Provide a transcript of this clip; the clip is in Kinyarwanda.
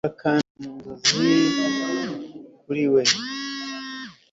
Turakanda mu nzozi kuri we